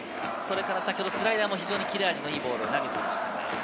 先ほどスライダーも非常に切れ味のいいボールを投げています。